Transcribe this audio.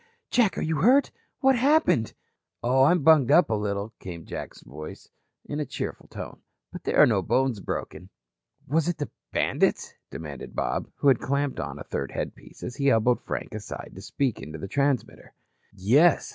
Jack. Are you hurt? What happened?" "Oh, I'm bunged up a little," came back Jack's voice, in a cheerful tone. "But there are no bones broken." "Was it the bandits?" demanded Bob, who had clamped on a third headpiece, as he elbowed Frank aside to speak into the transmitter. "Yes.